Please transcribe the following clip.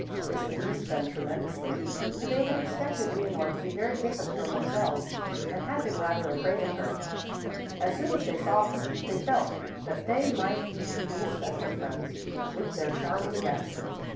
This pleased them tremendously, for they had expected Leonore to be very different from themselves and had been rather afraid of her. As soon as they saw her, they felt that they might each be special friends with their charming guest.